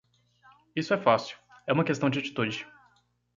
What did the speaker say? Isso é fácil, é uma questão de atitude.